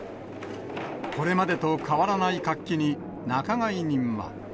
これまでと変わらない活気に、仲買人は。